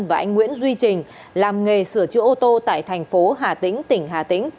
và anh nguyễn duy trình làm nghề sửa chữa ô tô tại thành phố hà tĩnh